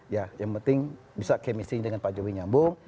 ya yang penting bisa kemissing dengan pak jokowi nyambung